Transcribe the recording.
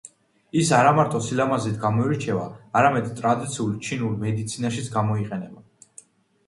ის არამარტო სილამაზით გამოირჩევა, არამედ ტრადიციულ ჩინურ მედიცინაშიც გამოიყენება.